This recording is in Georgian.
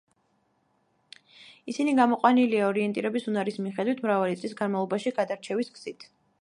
ისინი გამოყვანილია ორიენტირების უნარის მიხედვით მრავალი წლის განმავლობაში გადარჩევის გზით.